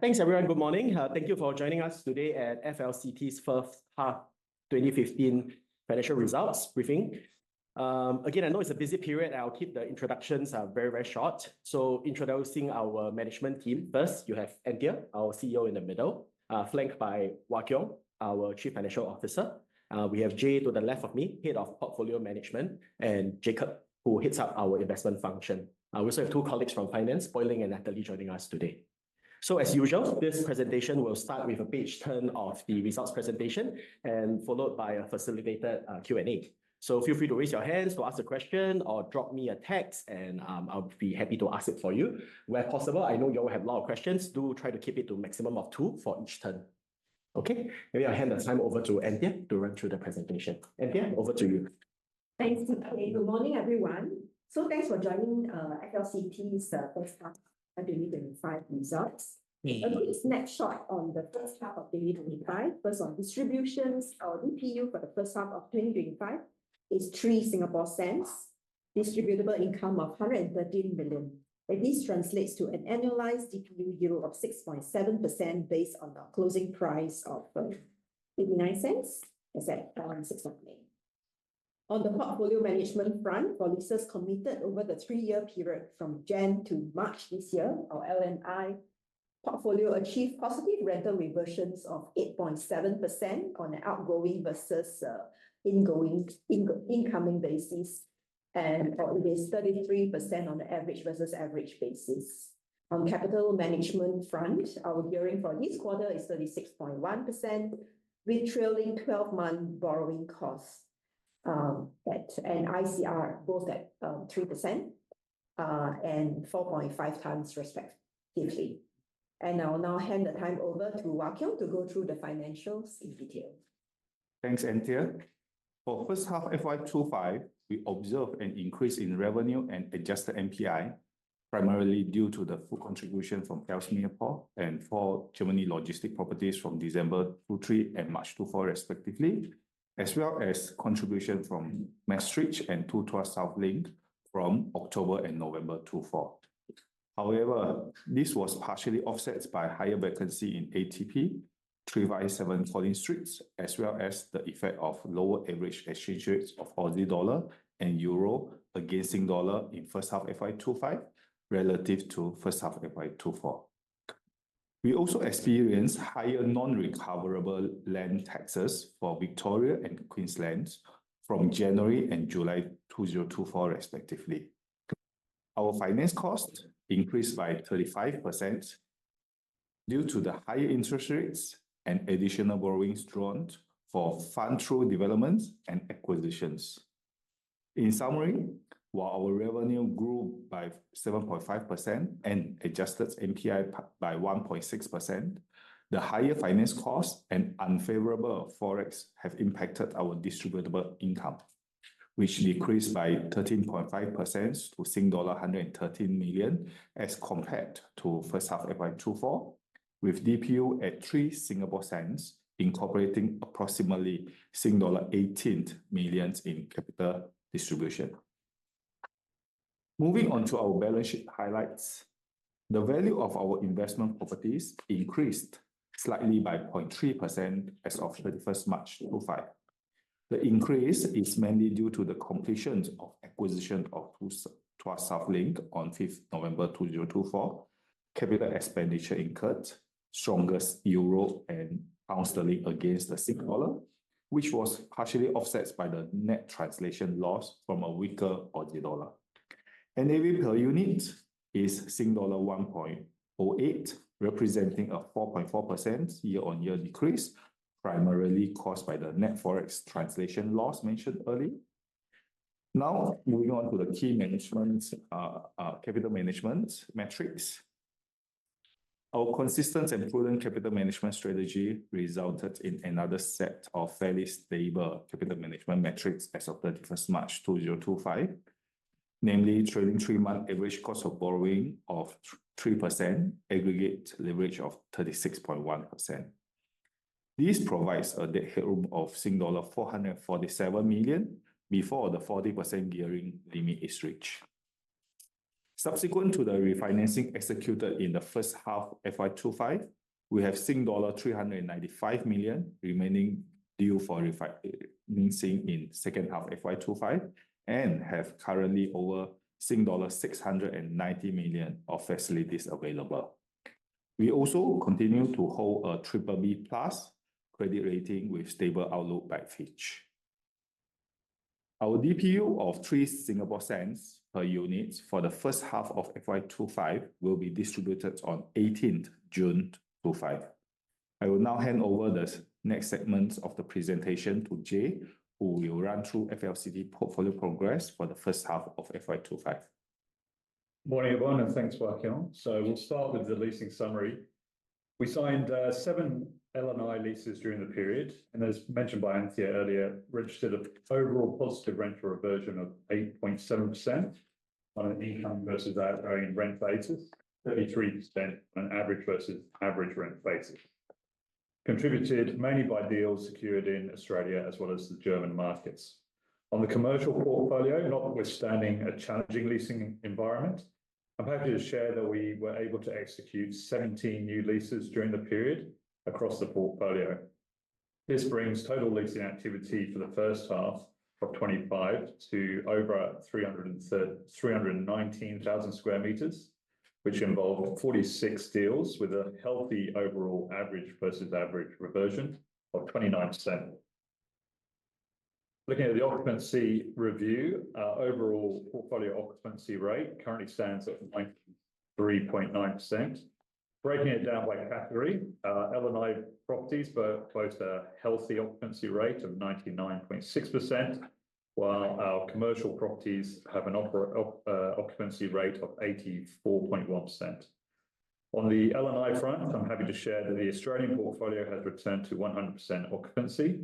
Thanks, everyone. Good morning. Thank you for joining us today at FLCT's first half 2025 financial results briefing. Again, I know it's a busy period. I'll keep the introductions very short. Introducing our management team. First, you have Anthea, our CEO, in the middle, flanked by Ng Wah Keong, our Chief Financial Officer. We have Jay to the left of me, Head of Portfolio Management, and Jacob, who heads up our investment function. We also have two colleagues from finance, Poi Ling and Natalie, joining us today. As usual, this presentation will start with a page turn of the results presentation and followed by a facilitated Q&A. Feel free to raise your hands to ask a question or drop me a text, and I'll be happy to ask it for you. Where possible, I know you all have a lot of questions, do try to keep it to a maximum of two for each turn. Okay? Maybe I'll hand the time over to Anthea to run through the presentation. Anthea, over to you. Thanks. Okay. Good morning, everyone. Thanks for joining FLCT's first half of 2025 results. A little snapshot on the first half of 2025. First on distributions. Our DPU for the first half of 2025 is 0.03. Distributable income of 113 million, and this translates to an annualized DPU of 6.7% based on the closing price of, well, 0.89 as at 6th of May. On the portfolio management front, for leases committed over the three-year period from January to March this year, our L&I portfolio achieved positive rental reversions of 8.7% on an outgoing versus incoming basis, and probably 33% on the average versus average basis. On capital management front, our gearing for this quarter is 36.1% with trailing 12-month borrowing costs at an ICR both at 3%, and 4.5 times respectively. I will now hand the time over to Ng Wah Keong to go through the financials in detail. Thanks, Anthea. For first half FY 2025, we observed an increase in revenue and adjusted NPI, primarily due to the full contribution from Chaos Singapore and 4 Germany logistic properties from December 2023 and March 2024 respectively, as well as contribution from Maastricht and Tuas South Link from October and November 2024. This was partially offset by higher vacancy in ATP, 357 Collins Street, as well as the effect of lower average exchange rates of AUD and EUR against SGD in first half FY 2025 relative to first half FY 2024. We also experienced higher non-recoverable land taxes for Victoria and Queensland from January and July 2024 respectively. Our finance cost increased by 35% due to the higher interest rates and additional borrowings drawn for fund through developments and acquisitions. While our revenue grew by 7.5% and adjusted NPI by 1.6%, the higher finance cost and unfavorable Forex have impacted our distributable income, which decreased by 13.5% to SGD 113 million as compared to first half FY 2024 with DPU at 0.03, incorporating approximately SGD 18 million in capital distribution. Moving on to our balance sheet highlights. The value of our investment properties increased slightly by 0.3% as of 31st March 2025. The increase is mainly due to the completions of acquisition of Tuas South Link on 5th November 2024, capital expenditure incurred, stronger EUR and GBP against the SGD, which was partially offset by the net translation loss from a weaker AUD. The NAV per unit is Sing dollar 1.08, representing a 4.4% year-on-year decrease, primarily caused by the net Forex translation loss mentioned earlier. Moving on to the key capital management metrics. Our consistent and prudent capital management strategy resulted in another set of fairly stable capital management metrics as of 31st March 2025, namely trailing three-month average cost of borrowing of 3%, aggregate leverage of 36.1%. This provides a headroom of SGD 447 million before the 40% gearing limit is reached. Subsequent to the refinancing executed in the first half FY 2025, we have dollar 395 million remaining due for leasing in second half FY 2025, and have currently over dollar 690 million of facilities available. We also continue to hold a BBB+ credit rating with stable outlook by Fitch. Our DPU of 0.03 per unit for the first half of FY 2025 will be distributed on 18th June 2025. I will hand over the next segment of the presentation to Jay, who will run through FLCT portfolio progress for the first half of FY 2025. Morning, everyone, and thanks,. We'll start with the leasing summary. We signed seven L&I leases during the period, and as mentioned by Anthea earlier, registered an overall positive rent reversion of 8.7% on an income versus outgo in rent phases, 33% on average versus average rent phases. Contributed mainly by deals secured in Australia as well as the German markets. On the commercial portfolio, notwithstanding a challenging leasing environment, I'm happy to share that we were able to execute 17 new leases during the period across the portfolio. This brings total leasing activity for the first half of 2025 to over 319,000 sq m, which involve 46 deals with a healthy overall average versus average reversion of 29%. Looking at the occupancy review, our overall portfolio occupancy rate currently stands at 93.9%. Breaking it down by category, our L&I properties boast a healthy occupancy rate of 99.6%, while our commercial properties have an occupancy rate of 84.1%. On the L&I front, I'm happy to share that the Australian portfolio has returned to 100% occupancy.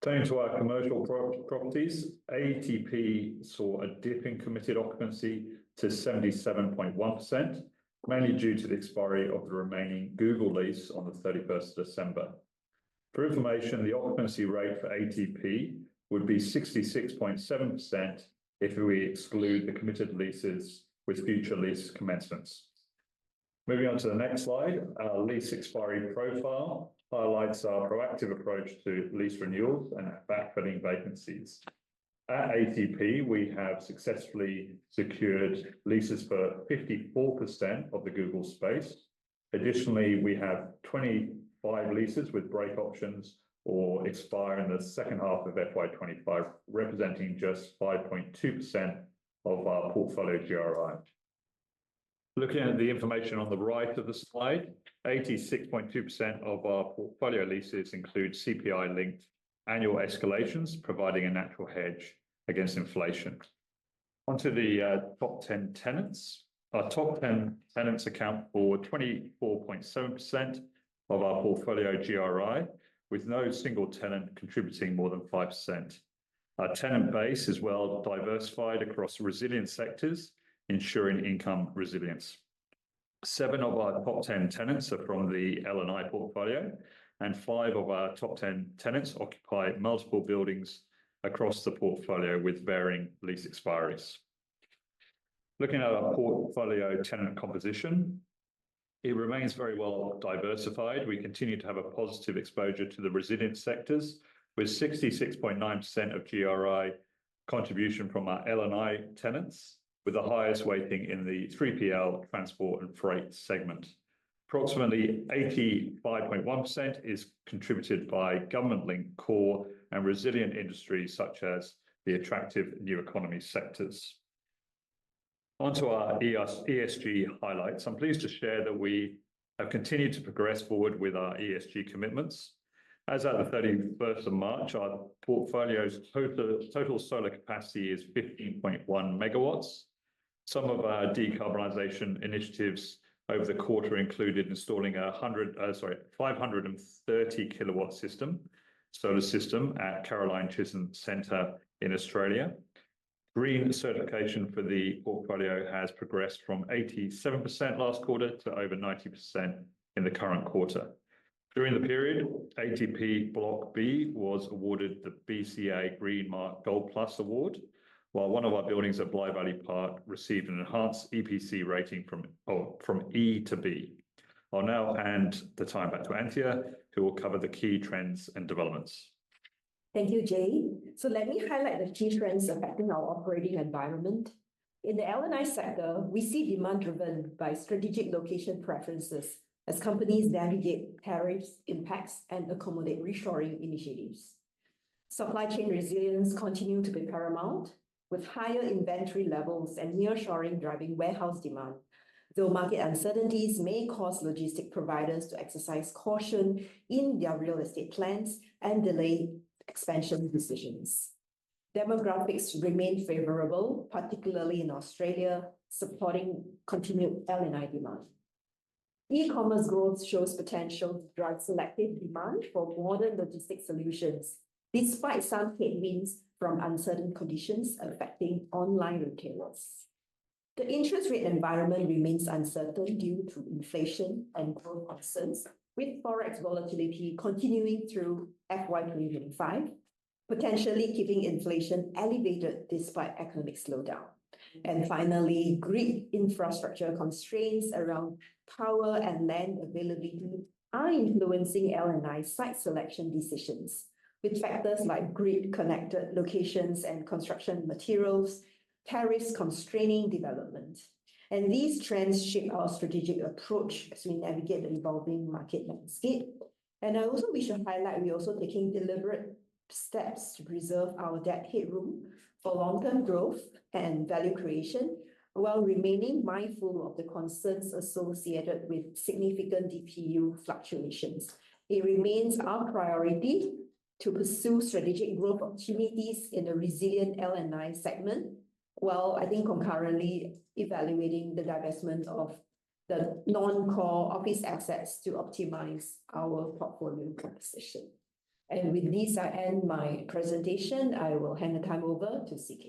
Turning to our commercial properties, ATP saw a dip in committed occupancy to 77.1%, mainly due to the expiry of the remaining Google lease on the 31st of December. For information, the occupancy rate for ATP would be 66.7% if we exclude the committed leases with future lease commencements. Moving on to the next slide, our lease expiry profile highlights our proactive approach to lease renewals and backfilling vacancies. At ATP, we have successfully secured leases for 54% of the Google space. Additionally, we have 25 leases with break options or expire in the second half of FY 2025, representing just 5.2% of our portfolio GRI. Looking at the information on the right of the slide, 86.2% of our portfolio leases include CPI-linked annual escalations, providing a natural hedge against inflation. Onto the top 10 tenants. Our top 10 tenants account for 24.7% of our portfolio GRI, with no single tenant contributing more than 5%. Our tenant base is well diversified across resilient sectors, ensuring income resilience. Seven of our top 10 tenants are from the L&I portfolio, and five of our top 10 tenants occupy multiple buildings across the portfolio with varying lease expiries. Looking at our portfolio tenant composition, it remains very well diversified. We continue to have a positive exposure to the resilient sectors, with 66.9% of GRI contribution from our L&I tenants, with the highest weighting in the 3PL transport and freight segment. Approximately 85.1% is contributed by government-linked core and resilient industries such as the attractive new economy sectors. Onto our ESG highlights. I'm pleased to share that we have continued to progress forward with our ESG commitments. As at the 31st of March, our portfolio's total solar capacity is 15.1 megawatts. Some of our decarbonization initiatives over the quarter included installing 530 kilowatt solar system at Caroline Chisholm Centre in Australia. Green certification for the portfolio has progressed from 87% last quarter to over 90% in the current quarter. During the period, ATP Block B was awarded the BCA Green Mark GoldPLUS award, while one of our buildings at Blythe Valley Park received an enhanced EPC rating from E to B. I'll now hand the time back to Anthea, who will cover the key trends and developments. Thank you, Jay. Let me highlight the key trends affecting our operating environment. In the L&I sector, we see demand driven by strategic location preferences as companies navigate tariffs impacts and accommodate reshoring initiatives. Supply chain resilience continue to be paramount, with higher inventory levels and nearshoring driving warehouse demand. Though market uncertainties may cause logistic providers to exercise caution in their real estate plans and delay expansion decisions. Demographics remain favorable, particularly in Australia, supporting continued L&I demand. E-commerce growth shows potential to drive selective demand for modern logistic solutions, despite some headwinds from uncertain conditions affecting online retailers. The interest rate environment remains uncertain due to inflation and growth concerns, with Forex volatility continuing through FY2025, potentially keeping inflation elevated despite economic slowdown. Finally, grid infrastructure constraints around power and land availability are influencing L&I site selection decisions, with factors like grid-connected locations and construction materials, tariffs constraining development. These trends shape our strategic approach as we navigate the evolving market landscape. I also wish to highlight we're also taking deliberate steps to preserve our debt headroom for long-term growth and value creation, while remaining mindful of the concerns associated with significant DPU fluctuations. It remains our priority to pursue strategic growth opportunities in the resilient L&I segment, while I think concurrently evaluating the divestment of the non-core office assets to optimize our portfolio composition. With this, I end my presentation. I will hand the time over to CK.